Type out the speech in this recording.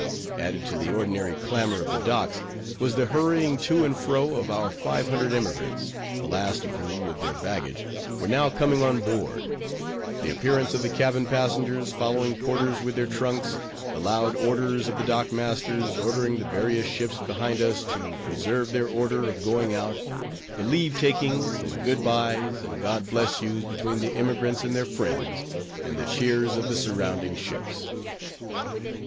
Added to the ordinary clamor of the docks, was the hurrying to and fro of our five hundred emigrants, the last of whom, with their baggage, were now coming on board; the appearance of the cabin passengers, following porters with their trunks; the loud orders of the dock masters, ordering the various ships behind us to preserve their order of going out; the leave takings, and good by's, and God bless you's, between the emigrants and their friends; and the cheers of the surrounding ships.